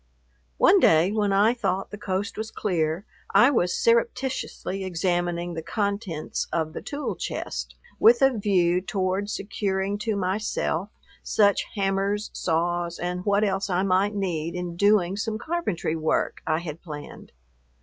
One day, when I thought the coast was clear, I was surreptitiously examining the contents of the tool chest with a view toward securing to myself such hammers, saws, and what else I might need in doing some carpentry work I had planned.